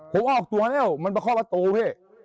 ผมออกตัวแล้วมันไปเข้าประตู